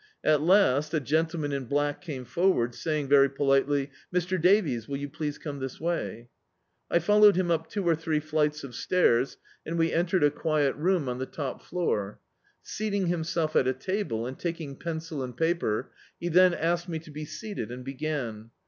At last a gentleman in black came forward, saying, very politely — "Mr. Davies, will you please come this way." I followed him up two or three flights of stairs, and we entered a quiet room on the D,i.,.db, Google The Ark top floor. Seating himself at a table, and taking pencil and paper, he then asked me to be seated and began.